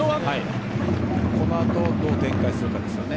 この後どう展開するかですね。